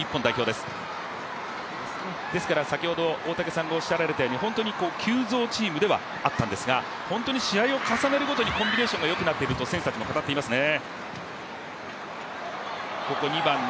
ですから先ほど大竹さんがおっしゃっていたように、急造チームではあったんですが試合を重ねるごとにコンビネーションがよくなっていると選手たちも語っていますね。